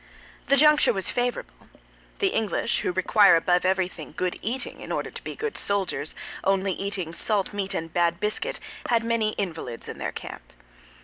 The juncture was favorable. The English, who require, above everything, good living in order to be good soldiers, only eating salt meat and bad biscuit, had many invalids in their camp.